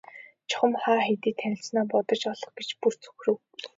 Чухам хаа хэдийд танилцсанаа бодож олох гэж бүр цөхрөв.